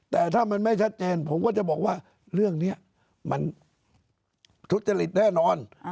แต่ถ้ามันไม่ชัดเจนผมก็จะบอกว่าเรื่องนี้มันทุจริตแน่นอน